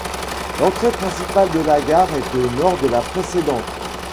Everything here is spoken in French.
L'entrée principale de la gare est au nord de la précédente.